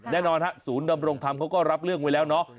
แน่นอนฮะศูนย์ดำรงธรรมเขาก็รับเรื่องไว้แล้วเนาะ